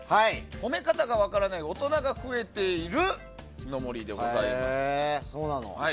褒め方が分からない大人が増えているの森でございます。